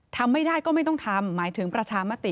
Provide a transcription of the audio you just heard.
ทำไม่ได้ก็ไม่ต้องทำหมายถึงประชามติ